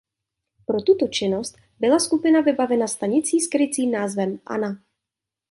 Pro tuto činnost byla skupina vybavena stanicí s krycím názvem "Anna".